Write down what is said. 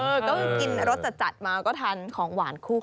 เออเออเออก็กินรสจัดจัดมาก็ทานของหวานคู่กัน